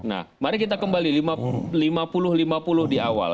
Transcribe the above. nah mari kita kembali lima puluh lima puluh di awal